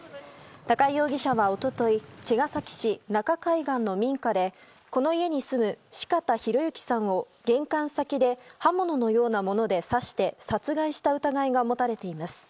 高井容疑者は一昨日、茅ヶ崎市中海岸の民家でこの家に住む四方洋行さんを玄関先で刃物のようなもので刺して殺害した疑いが持たれています。